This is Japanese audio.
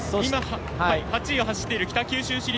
８位を走っている北九州市立。